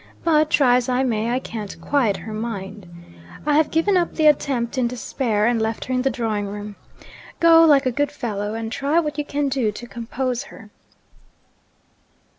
But try as I may I can't quiet her mind. I have given up the attempt in despair, and left her in the drawing room. Go, like a good fellow, and try what you can do to compose her.'